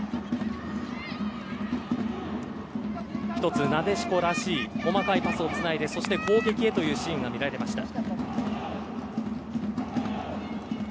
１つ今、なでしこらしい細かいパスをつないで攻撃へというシーンが見られました。